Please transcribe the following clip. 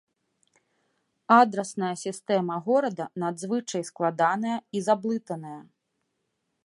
Адрасная сістэма горада надзвычай складаная і заблытаная.